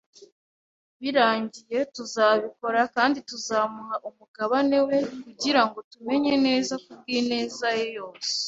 birangiye, tuzabikora, kandi tuzamuha umugabane we, kugira ngo tumenye neza, ku bw'ineza ye yose. ”